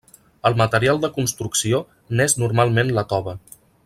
El material de construcció n'és normalment la tova.